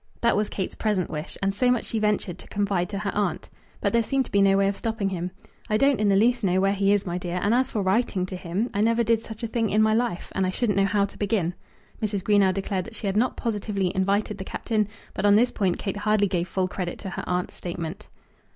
That was Kate's present wish, and so much she ventured to confide to her aunt. But there seemed to be no way of stopping him. "I don't in the least know where he is, my dear, and as for writing to him, I never did such a thing in my life, and I shouldn't know how to begin." Mrs. Greenow declared that she had not positively invited the Captain; but on this point Kate hardly gave full credit to her aunt's statement.